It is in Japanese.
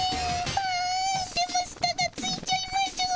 あでもしたがついちゃいますぅ。